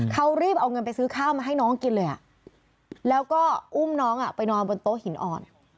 เขารีบเอาเงินไปซื้อข้าวมาให้น้องกินเลยแล้วก็อุ้มน้องไปนอนบนโต๊ะหินอ่อน